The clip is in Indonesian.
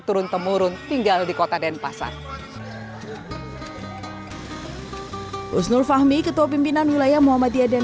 turun temurun tinggal di kota dan pasar usnur fahmi ketua pimpinan wilayah muhammadiyah dan